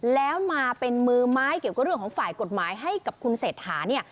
แล้วมาเป็นมือไม้เกี่ยวกับเรื่องของฝ่ายกฎหมายให้กับคุณเศรษฐาเนี่ย